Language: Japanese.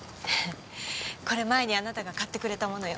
これ前にあなたが買ってくれたものよ。